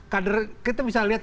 kadernya kita bisa lihat